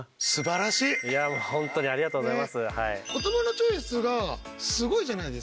いやもうホントにありがとうございます。